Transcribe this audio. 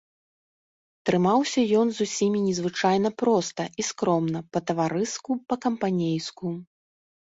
Трымаўся ён з усімі незвычайна проста і скромна, па-таварыску, па-кампанейску.